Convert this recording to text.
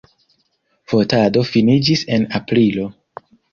Fotado finiĝis en aprilo.